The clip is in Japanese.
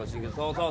そう